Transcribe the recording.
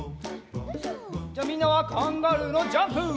じゃあみんなはカンガルーのジャンプ！